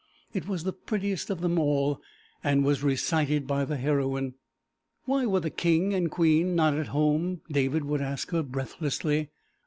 It was the prettiest of them all, and was recited by the heroine. "Why were the king and queen not at home?" David would ask her breathlessly.